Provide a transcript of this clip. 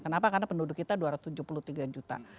kenapa karena penduduk kita dua ratus tujuh puluh tiga juta